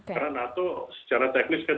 karena nato secara teknis kan